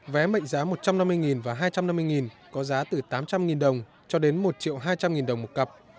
vé mệnh giá một trăm năm mươi và hai trăm năm mươi có giá từ tám trăm linh đồng cho đến một hai trăm linh đồng một cặp